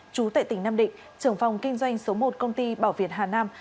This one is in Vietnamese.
chú tại tỉnh nam định trưởng phòng kinh doanh số một công ty bảo việt hà nam